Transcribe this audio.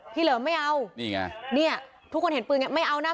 เหลิมไม่เอานี่ไงเนี่ยทุกคนเห็นปืนไงไม่เอานะ